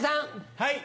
はい。